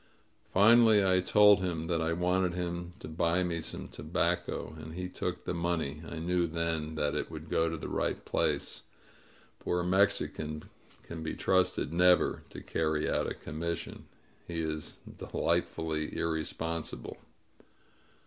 Finally I told him that I wanted him to buy me some tobacco, and he took the money. I knew then that it would go to the right place, for a Mexican can be trusted never to carry out a commission. He is de lightfully irresponsible.